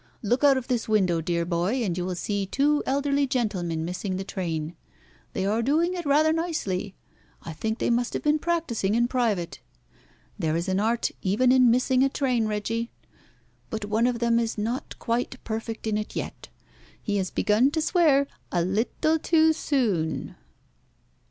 Look out of this window, dear boy, and you will see two elderly gentlemen missing the train. They are doing it rather nicely. I think they must have been practising in private. There is an art even in missing a train, Reggie. But one of them is not quite perfect in it yet. He has begun to swear a little too soon!"